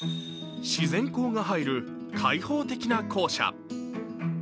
自然光が入る開放的な校舎。